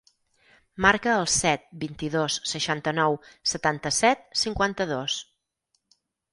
Marca el set, vint-i-dos, seixanta-nou, setanta-set, cinquanta-dos.